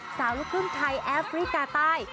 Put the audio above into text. สาวรุ่นครึ่งไทยลูกคลิกาใต้